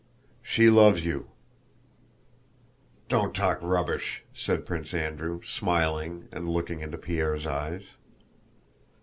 "She loves you." "Don't talk rubbish..." said Prince Andrew, smiling and looking into Pierre's eyes.